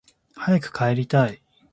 早く帰りたい